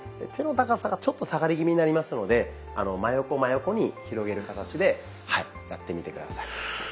手の高さがちょっと下がり気味になりますので真横真横に広げる形でやってみて下さい。